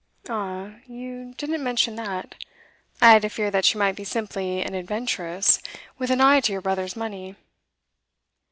'Ah, you didn't mention that. I had a fear that she might be simply an adventuress, with an eye to your brother's money.